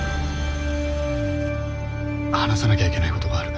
話さなきゃいけないことがある。